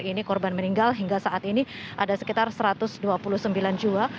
ini korban meninggal hingga saat ini ada sekitar satu ratus dua puluh sembilan jiwa